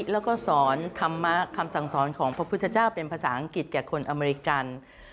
แล้วก็สอนคำสั่งสอนของพระพุทธเจ้าเป็นภาษาอังกฤษแก่คนอเมริกัน